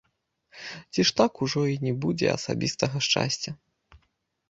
Ці ж так ужо й не будзе асабістага шчасця?